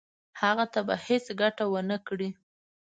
هغه ته به هیڅ ګټه ونه کړي.